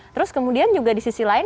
terus kemudian juga di sisi lain